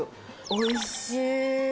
おいしい。